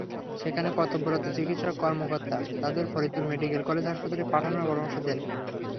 সেখানে কর্তব্যরত চিকিৎসা কর্মকর্তা তাঁদের ফরিদপুর মেডিকেল কলেজ হাসপাতালে পাঠানোর পরামর্শ দেন।